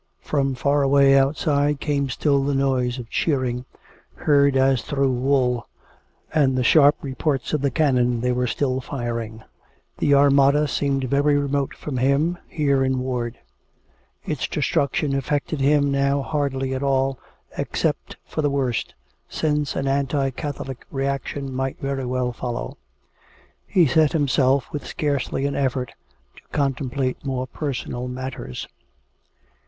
From far away outside came still the noise of cheering, heard as through wool, and the sharp reports of the cannon COME RACK! COME ROPE! 4S5 they were still firing. The Armada seemed very remote from him, here in ward. Its destruction affected him now hardly at all, except for the worse, since an anti Catholic reaction might very well follow. ... He set himself, with scarcely an effort, to contemplate more personal matters.